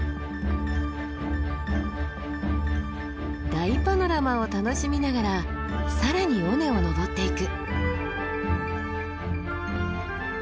大パノラマを楽しみながら更に尾根を登っていく。